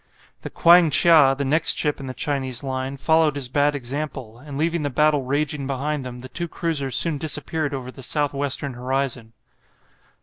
The "Kwang chia," the next ship in the Chinese line, followed his bad example, and leaving the battle raging behind them, the two cruisers soon disappeared over the south western horizon.